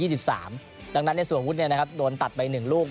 ดังนั้นสววุฒิเนี่ยนะครับโดนตัดไป๑ลูก